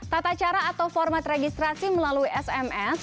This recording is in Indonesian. kita lihat ya tata cara atau format registrasi melalui sms